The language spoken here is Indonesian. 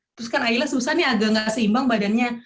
terus kan akhirnya susah nih agak gak seimbang badannya